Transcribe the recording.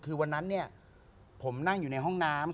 คือวันนั้นเนี่ยผมนั่งอยู่ในห้องน้ำ